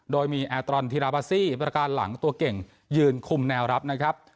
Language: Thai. โดยมีแอร์ตรอนธิราบาซี่ประการหลังตัวเก่งยืนคุมแนวรับนะครับ